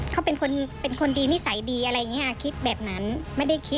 เขาเป็นคนดีนิสัยดี